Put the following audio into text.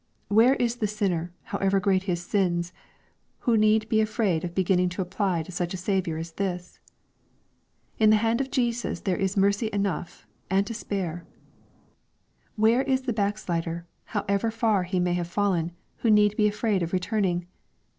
Where is the sinner, however great his sins, who need be afraid of beginning to apply to such a Saviour as this ? In the hand of Jesus there is mercy enough and to spare. — Where is the backslider, however far he may have fallen, who need be afraid of returning